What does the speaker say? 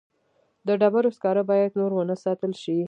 د ډبرو سکاره باید نور ونه ساتل شي.